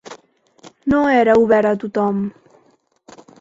No era obert a tothom.